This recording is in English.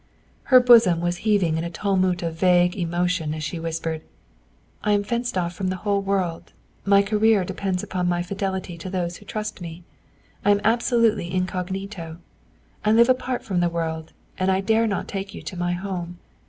Her bosom was heaving in a tumult of vague emotion as she whispered, "I am fenced off from the whole world. My career depends upon my fidelity to those who trust me. I am absolutely incognito. I live apart from the world, and I dare not take you to my home.